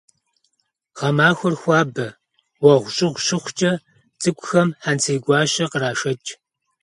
Гъэмахуэр хуабэ, уэгъущӏыгъу щыхъукӏэ, цӏыкӏухэм хьэнцейгуащэ кърашэкӏ.